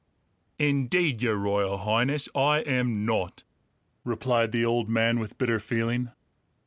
"Indeed, Your Royal Highness, I am not!" replied the old man with bitter feeling.